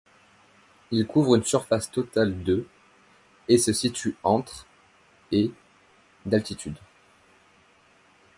Il couvre une surface totale de et se situe entre et d'altitude.